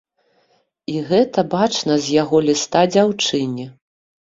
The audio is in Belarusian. І гэта бачна з яго ліста дзяўчыне.